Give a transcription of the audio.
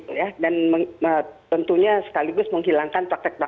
namanya dapatnya terus diambil awal vid